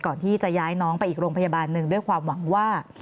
ก่อนที่จะย้ายน้องไปอีกโรงพยาบาลหนึ่งด้วยความหวังว่า